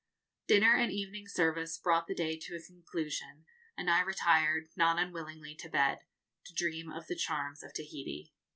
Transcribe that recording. Dinner and evening service brought the day to a conclusion, and I retired, not unwillingly, to bed, to dream of the charms of Tahiti.